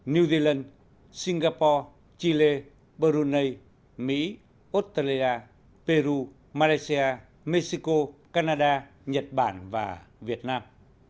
new zealand singapore chile berunei mỹ australia peru malaysia mexico canada nhật bản và việt nam